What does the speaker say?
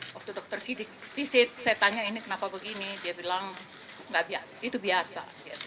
waktu dokter sidik visit saya tanya ini kenapa begini dia bilang itu biasa